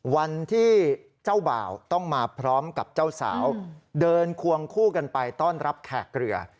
วันที่เจ้าบ่าวต้องมาพร้อมกับเจ้าสาวเดินควงคู่กันไปต้อนรับแขกเรือ